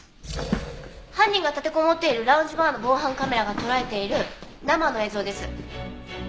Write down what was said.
犯人が立てこもっているラウンジバーの防犯カメラがとらえている生の映像です。